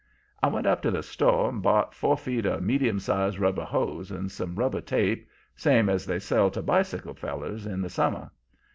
I went up to the store and bought four feet of medium size rubber hose and some rubber tape, same as they sell to bicycle fellers in the summer.